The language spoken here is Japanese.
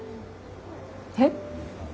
えっ。